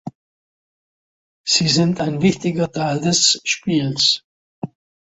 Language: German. Sie sind ein wichtiger Teil des Spiels.